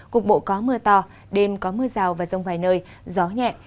cục bộ có mưa to đêm có mưa rào và rông vài nơi gió nhẹ